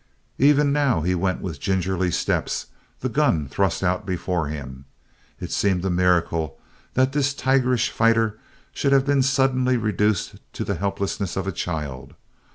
Even now he went with gingerly steps, the gun thrust out before him. It seemed a miracle that this tigerish fighter should have been suddenly reduced to the helplessness of a child.